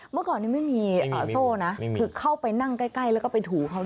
เมื่อก่อนนี้ไม่มีโซ่นะคือเข้าไปนั่งใกล้แล้วก็ไปถูเขานะ